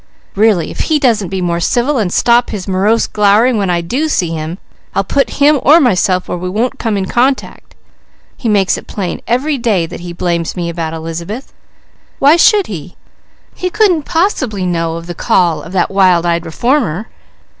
Really, if he doesn't be more civil, and stop his morose glowering when I do see him, I'll put him or myself where we won't come in contact. He makes it plain every day that he blames me about Elizabeth. Why should he? He couldn't possibly know of the call of that wild eyed reformer.